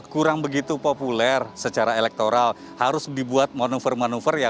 kurang begitu populer secara elektoral harus dibuat manuver manuver